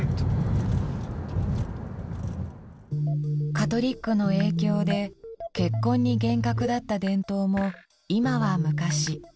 カトリックの影響で結婚に厳格だった伝統も今は昔。